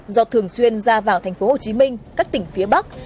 do thường xuyên ra vào thành phố hồ chí minh các tỉnh phía bắc